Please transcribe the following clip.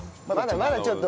まだちょっと。